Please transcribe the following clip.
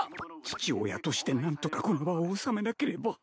父親として何とかこの場を収めなければ。